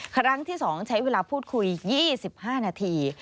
ครั้งที่๒ใช้เวลาพูดคุย๒๕นาที